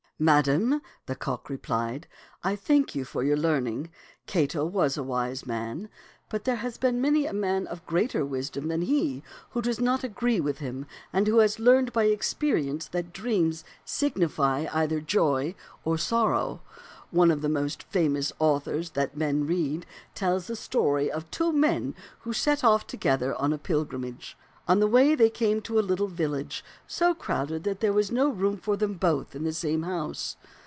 "Madame," the cock replied, "I thank you for your learning. Cato was a wise man, but there has been many a man of greater wisdom than he who does not agree with him and who has learned by experience that dreams signify either joy or sorrow. One of the most famous authors that men read tells a story of two men who set off together on a pilgrim age. On the way they came to a little village so crowded that there was no room for them both in the same house.